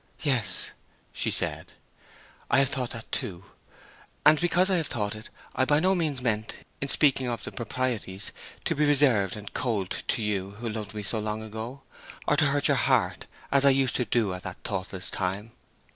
"Yes," she said, "I have thought that, too. And, because I have thought it, I by no means meant, in speaking of the proprieties, to be reserved and cold to you who loved me so long ago, or to hurt your heart as I used to do at that thoughtless time.